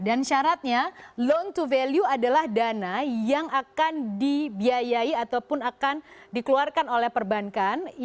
dan syaratnya loan to value adalah dana yang akan dibiayai ataupun akan dikeluarkan oleh perbankan